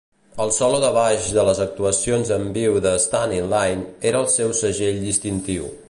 El solo de baix de les actuacions en viu de "Stand in Line" era el seu segell distintiu.